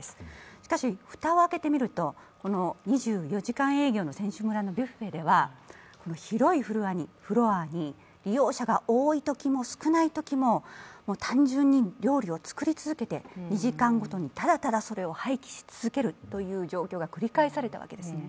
しかし蓋を開けてみると、この２４時間営業の選手村のビュッフェでは、広いフロアに利用者が多いときも少ないときも、単純に料理を作り続けて２時間ごとにただただ廃棄し続けるという状況が繰り返されたわけですね。